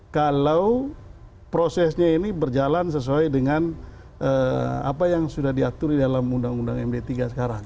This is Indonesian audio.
kalau prosesnya ini berjalan sesuai dengan apa yang sudah diatur di dalam undang undang md tiga sekarang